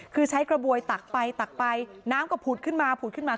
คือใช้กระบวยตักไปตักไปน้ำก็ผุดขึ้นมาผุดขึ้นมา